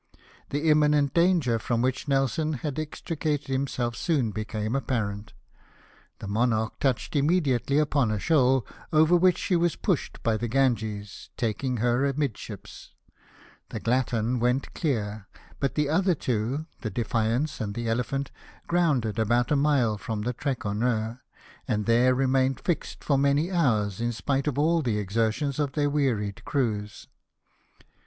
The imminent danger from which Nelson had extricated himself soon became apparent ; the Mon arch touched immediately upon a shoal, over which she was pushed by the Ganges taking her amidships ; the Glatton went clear; but the other two, the Defiance and the Elephant, grounded about a mile from the Trekroner, and there remained fixed for many hours, in spite of all the exertions of their wearied crews.